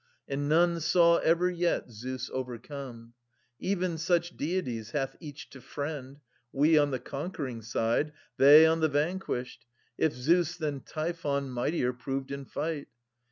And none saw ever yet Zeus overcome. Even such deities hath each to friend — We on the conquering side, they on the vanquished, If Zeus than Typhon mightier proved in fight.